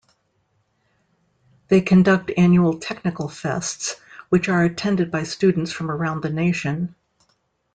They conduct annual technical fests which are attended by students from around the nation.